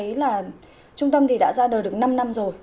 rõ ràng chúng ta thấy là trung tâm thì đã ra đời được năm năm rồi